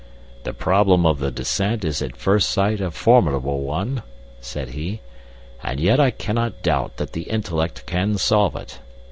"The problem of the descent is at first sight a formidable one," said he, "and yet I cannot doubt that the intellect can solve it.